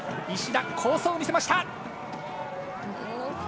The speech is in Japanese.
石田、好走を見せました。